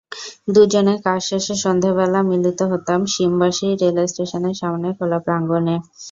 দুজনে কাজ শেষে সন্ধেবেলা মিলিত হতাম শিমবাশি রেলস্টেশনের সামনের খোলা প্রাঙ্গণে।